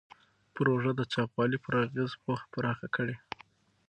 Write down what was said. پروژه د چاغوالي پر اغېزو پوهه پراخه کړې.